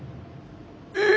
え！